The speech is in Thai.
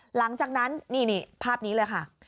หลังจากนั้นนี่ภาพนี้เลยค่ะ